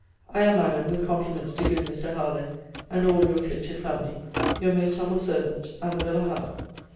I am, Madam, with compliments to good Mr. Harlowe, and all your afflicted family, Your most humble servant, ANNABELLA HOWE.